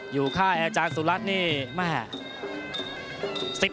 อยู่ค่ายอาจารย์สุรัตม์นี่